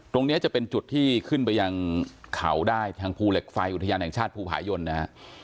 ตรงนี้จะเป็นจุดที่ขึ้นไปยังเขาได้ทางภูเหล็กไฟอุทยานแห่งชาติภูผายนนะฮะ